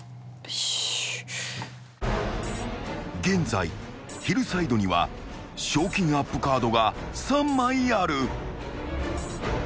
［現在ヒルサイドには賞金アップカードが３枚ある］